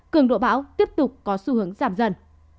cường độ bão tiếp tục có xu hướng giảm dần